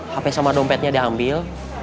hp sama dompetnya diambil